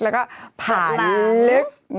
แล้วก็ผ่านเล็ก